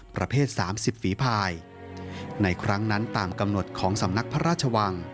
ประเภท๓๐ฝีภายในครั้งนั้นตามกำหนดของสำนักพระราชวัง